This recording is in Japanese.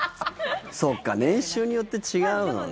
そうか、年収によって違うのね。